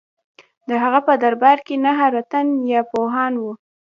د هغه په دربار کې نهه رتن یا پوهان وو.